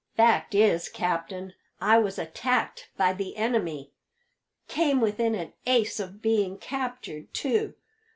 "Fact is, captain, I was attacked by the enemy. Came within an ace of being captured, too.